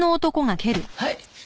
はい！